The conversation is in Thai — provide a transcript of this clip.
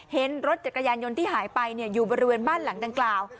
เห็นรถจักรยานยนต์ที่หายไปอยู่บริเวณบ้านหลังดังกล่าว